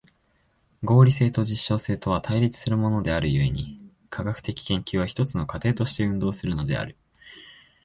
合理性と実証性とは対立するものである故に、科学的研究は一つの過程として運動するのである。